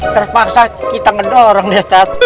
terus paksa kita ngedorong deh ustadz